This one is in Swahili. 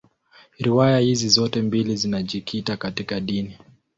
Riwaya hizi zote mbili zinajikita katika dini.